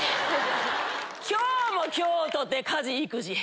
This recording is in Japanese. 今日も今日とて家事育児。